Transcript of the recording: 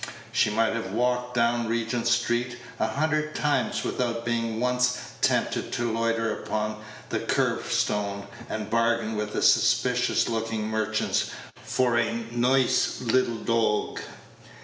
She might have walked down Regent street a hundred times without being once tempted to loiter upon the curb stone and bargain with suspicious looking merchants for a "noice leetle dawg."